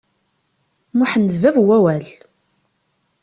Muḥend d bab n wawal.